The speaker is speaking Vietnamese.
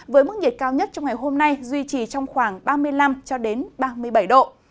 với mức nhiệt cao nhất trong ngày hôm nay duy trì trong khoảng ba mươi năm cho đến ba mươi bảy độ